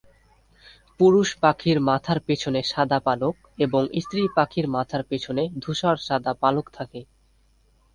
পুরুষ পাখির মাথার পেছনে সাদা পালক এবং স্ত্রী পাখির মাথার পেছনে ধূসর সাদা পালক থাকে।